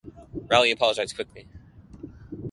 Rowley apologized quickly.